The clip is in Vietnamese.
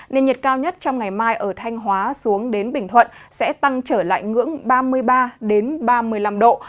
nên nhiệt cao nhất trong ngày mai ở thanh hóa xuống đến bình thuận sẽ tăng trở lại ngưỡng ba mươi ba ba mươi năm độ